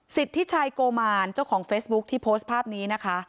สิทธิชัยโกมารเจ้าของเฟซบุ๊คที่โพสต์ภาพนี้นะคะ